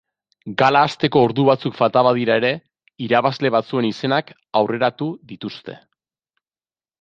Gala hasteko ordu batzuk falta badira ere, irabazle batzuen izenak aurreratu dituzte.